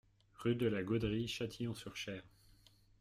Rue de la Gaudrie, Châtillon-sur-Cher